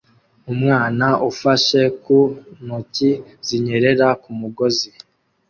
Umwana ufashe ku ntoki zinyerera ku mugozi